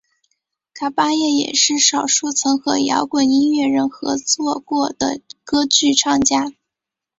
卡芭叶也是少数曾和摇滚音乐人合作过的歌剧唱家。